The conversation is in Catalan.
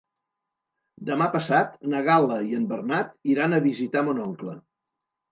Demà passat na Gal·la i en Bernat iran a visitar mon oncle.